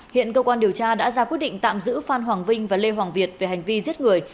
hiện cơ quan điều tra đã ra quyết định tạm giữ phan hoàng vinh và lê hoàng việt về hành vi giết người